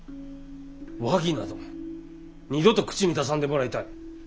和議など二度と口に出さんでもらいたい。